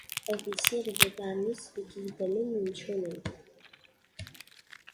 Ad issired iḍarren-is deg yidammen n yimcumen.